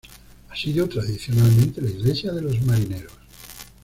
Ha sido tradicionalmente la iglesia de los marineros.